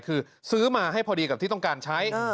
คือซื้อมาให้พอดีกับที่ต้องการใช้